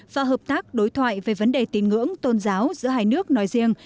và hợp tác đối thoại về vấn đề tin ngưỡng tôn giáo giữa hai nước nói riêng